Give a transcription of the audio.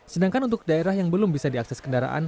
sedangkan untuk daerah yang belum bisa diakses kendaraan